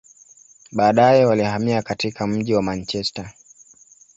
Baadaye, walihamia katika mji wa Manchester.